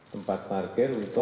tempat parkir untuk